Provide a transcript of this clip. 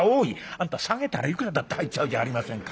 「あんた下げたらいくらだって入っちゃうじゃありませんか」。